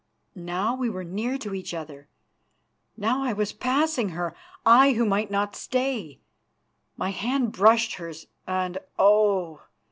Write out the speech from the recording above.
Now we were near to each other, now I was passing her, I who might not stay. My hand brushed hers, and oh!